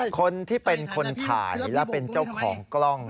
คนที่เป็นคนถ่ายและเป็นเจ้าของกล้อง